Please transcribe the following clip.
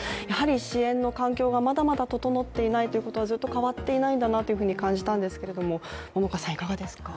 支援の環境がまだまだ整っていないということは、ずっと変わっていないと感じたんですけれども、いかがですか？